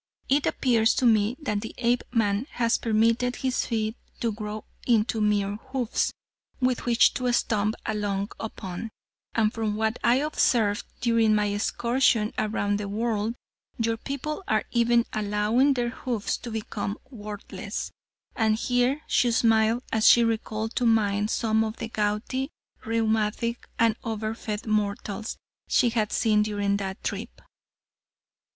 It appears to me that the Apeman has permitted his feet to grow into mere hoofs with which to stump along upon, and from what I observed during my excursion around the world, your people are even allowing their hoofs to become worthless," and here she smiled as she recalled to mind some of the gouty, rheumatic and over fed mortals she had seen during that trip.